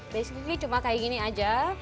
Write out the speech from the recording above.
basically cuma kayak gini aja